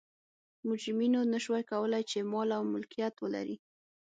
مجرمینو نه شوای کولای چې مال او ملکیت ولري.